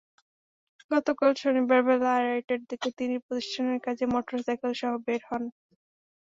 গতকাল শনিবার বেলা আড়াইটার দিকে তিনি প্রতিষ্ঠানের কাজে মোটরসাইকেলসহ বের হন।